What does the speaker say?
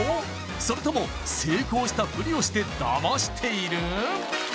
それとも成功したふりをしてダマしている？